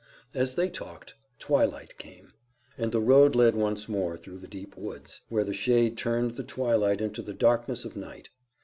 As they talked, twilight came, and the road led once more through the deep woods, where the shade turned the twilight into the darkness of night.